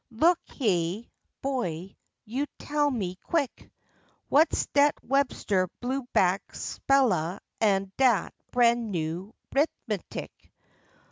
Look heah, boy, you tell me quick, Whah's dat Webster blue back spellah an' dat bran' new 'rifmatic?